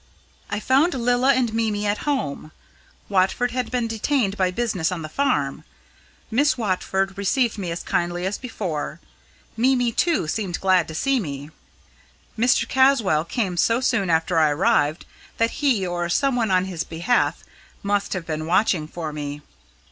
"I found Lilla and Mimi at home. Watford had been detained by business on the farm. Miss Watford received me as kindly as before; Mimi, too, seemed glad to see me. Mr. Caswall came so soon after I arrived, that he, or someone on his behalf, must have been watching for me.